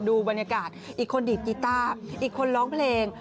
ดูบรรยากาศอีกคนดีดกีต้าอีกคนร้องเพลง